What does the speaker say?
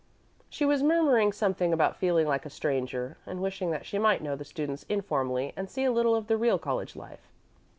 She was murmuring something about feeling like a stranger, and wishing that she might know the students informally and see a little of the real college life.